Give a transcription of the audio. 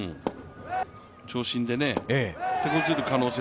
長身でてこずる可能性